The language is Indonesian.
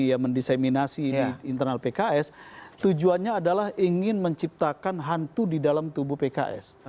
yang mendiseminasi di internal pks tujuannya adalah ingin menciptakan hantu di dalam tubuh pks